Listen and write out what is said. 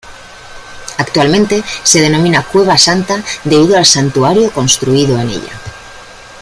Actualmente se denomina "Cueva Santa", debido al Santuario construido en ella.